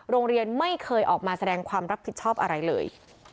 โรงเรียนไม่เคยออกมาแสดงความรับผิดชอบอะไรเลย